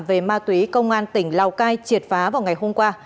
về ma túy công an tỉnh lào cai triệt phá vào ngày hôm qua